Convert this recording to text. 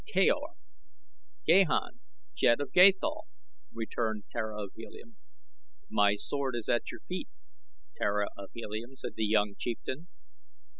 "Kaor! Gahan, Jed of Gathol," returned Tara of Helium. "My sword is at your feet, Tara of Helium," said the young chieftain.